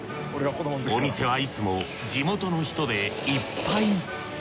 お店はいつも地元の人でいっぱい。